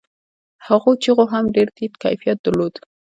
هغو چيغو هم ډېر ټيټ کيفيت درلود.